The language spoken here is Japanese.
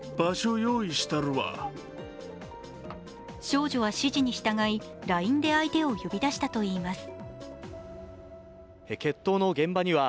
少女は指示に従い、ＬＩＮＥで相手を呼び出したといいます。